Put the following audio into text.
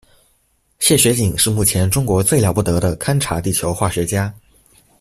谢学锦是目前中国最了不得的勘察地球化学家。